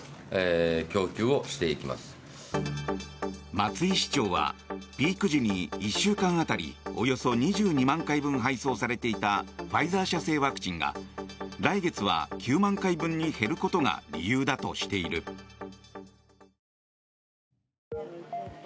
松井市長はピーク時に１週間当たりおよそ２２万回分配送されていたファイザー社製ワクチンが来月は９万回分に減ることが理由だとしている。